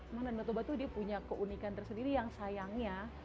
memang danau toba itu dia punya keunikan tersendiri yang sayangnya